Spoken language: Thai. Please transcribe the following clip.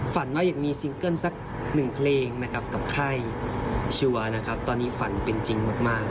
ฝันว่าอยากมีซิงเกิ้ลสักหนึ่งเพลงนะครับกับค่ายชัวร์นะครับตอนนี้ฝันเป็นจริงมาก